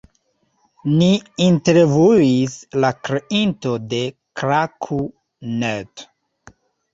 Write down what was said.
Ni intervjuis la kreinton de Klaku.net.